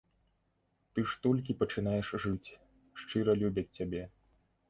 Ты ж толькі пачынаеш жыць, шчыра любяць цябе.